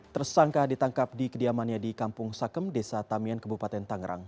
tersangka ditangkap di kediamannya di kampung sakem desa tamian kebupaten tangerang